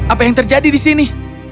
apa yang terjadi di sini